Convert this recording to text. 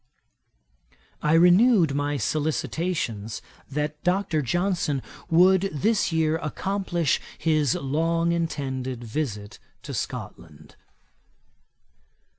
I renewed my solicitations that Dr. Johnson would this year accomplish his long intended visit to Scotland.